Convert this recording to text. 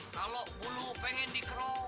kalau bulu pengen dikerok